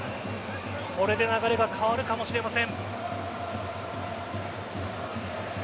これで流れが変わるかもしれません。